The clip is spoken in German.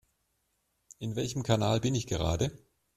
In welchem Kanal bin ich gerade?